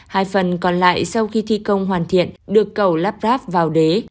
hai phần còn lại sau khi thi công hoàn thiện được cầu lắp ráp vào đế